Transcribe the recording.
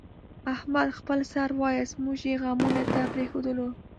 احمد خپل سر وایست، موږ یې غمونو ته پرېښودلو.